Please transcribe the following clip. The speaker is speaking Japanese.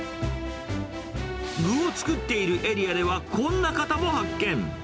具を作っているエリアでは、こんな方も発見。